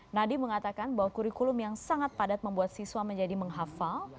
nadiem mengatakan bahwa kurikulum yang sangat padat membuat siswa menjadi menghafal